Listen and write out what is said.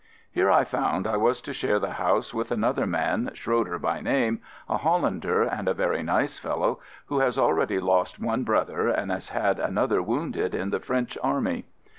Here I found I was to share the house with an other man, Schroeder by name, a Hol lander and a very nice fellow, who has already lost one brother and has had an other wounded in the French army.